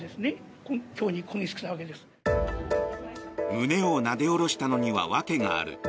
胸をなで下ろしたのには訳がある。